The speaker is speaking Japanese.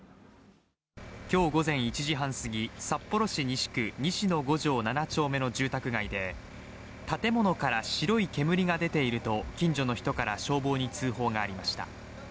今日午前１時半過ぎ、札幌市西区西野５条７丁目の住宅街で、建物から白い煙が出ていると、近所の人から通報がありました。